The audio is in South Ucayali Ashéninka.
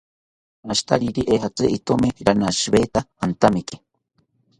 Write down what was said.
Ashitariri ejatzi itomi ranashiweta antamiki